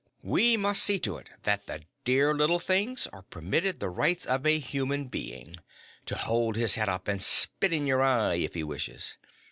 We must see to it that the dear little things are permitted the rights of a human being to hold his head up and spit in your eye if he wishes.